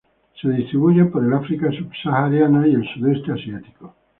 Se distribuyen por el África subsahariana y el Sudeste Asiático.